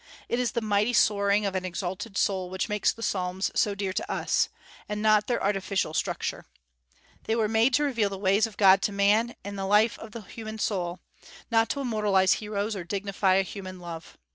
It is the mighty soaring of an exalted soul which makes the Psalms so dear to us, and not their artificial structure. They were made to reveal the ways of God to man and the life of the human soul, not to immortalize heroes or dignify a human love.